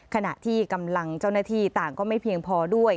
ขณะที่กำลังเจ้าหน้าที่ต่างก็ไม่เพียงพอด้วย